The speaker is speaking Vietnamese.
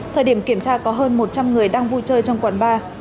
thời điểm kiểm tra có hơn một trăm linh người đang vui chơi trong quán bar